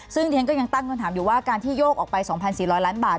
ซึ่งที่ฉันก็ยังตั้งคำถามอยู่ว่าการที่โยกออกไป๒๔๐๐ล้านบาท